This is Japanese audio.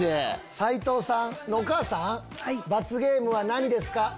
斉藤さんのお母さん罰ゲームは何ですか？